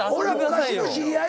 昔の知り合い。